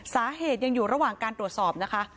สาเหตุยังอยู่ระหว่างการตรวจสอบนะคะ